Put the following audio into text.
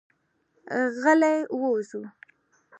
غلي وځو.